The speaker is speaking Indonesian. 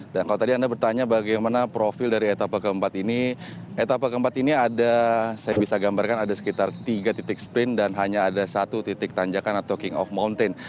dan kalau tadi anda bertanya bagaimana profil dari etapa keempat ini etapa keempat ini ada saya bisa gambarkan ada sekitar tiga titik sprint dan hanya ada satu titik tanjakan atau king of mountain